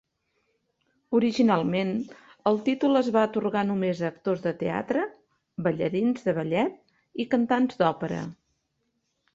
Originalment, el títol es va atorgar només a actors de teatre, ballarins de ballet i cantants d'òpera.